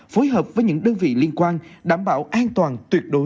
phối hợp với những đơn vị liên quan đảm bảo an toàn tuyệt đối cho lễ hội